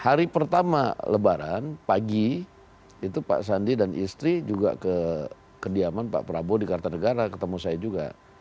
hari pertama lebaran pagi itu pak sandi dan istri juga ke kediaman pak prabowo di kartanegara ketemu saya juga